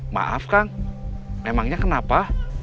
maaf kang emangnya kenapa